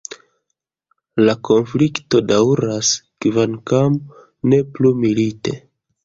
La konflikto daŭras, kvankam ne plu milite.